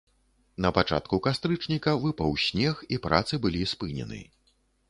Напачатку кастрычніка выпаў снег і працы былі спынены.